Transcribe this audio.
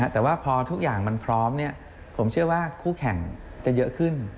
แต่ว่าพอทุกอย่างมันพร้อมผมเชื่อว่าคู่แข่งจะเยอะขึ้น